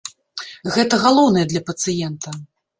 Гэта галоўнае для пацыента.